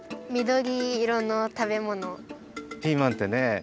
ピーマンってね